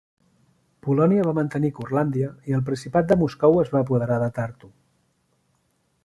Polònia va mantenir Curlàndia i el Principat de Moscou es va apoderar de Tartu.